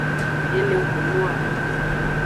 E le hunua.